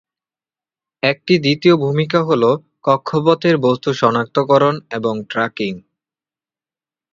একটি দ্বিতীয় ভূমিকা হল কক্ষপথের বস্তু সনাক্তকরণ এবং ট্র্যাকিং।